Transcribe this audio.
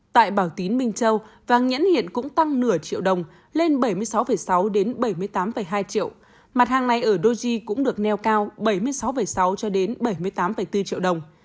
tại bảo tín minh châu vàng nhẫn hiện cũng tăng nửa triệu đồng lên bảy mươi sáu sáu bảy mươi tám hai triệu mặt hàng này ở doji cũng được neo cao bảy mươi sáu sáu cho đến bảy mươi tám bốn triệu đồng